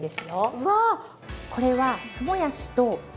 うわ！